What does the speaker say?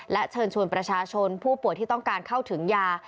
และเชิญชวนประชาชนผู้ป่วยที่ต้องการเข้าถึงยา